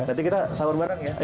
nanti kita sahur bareng ya